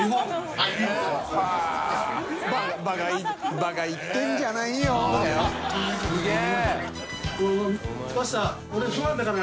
馬鹿いってんじゃないよ」だよ。